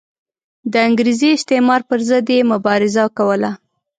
د انګریزي استعمار پر ضد یې مبارزه کوله.